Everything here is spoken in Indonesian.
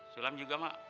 sulam juga mak